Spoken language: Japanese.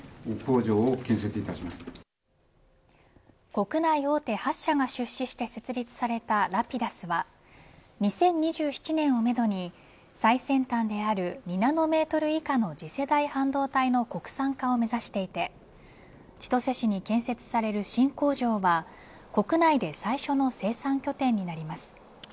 国内大手８社が出資して最先端である２ナノメートル以下の次世代半導体の国産化を目指していて千歳市に建設される新工場は国内で最初の生産拠点になります。